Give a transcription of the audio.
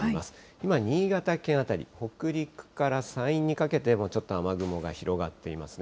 今、新潟県辺り、北陸から山陰にかけてもちょっと雨雲が広がっていますね。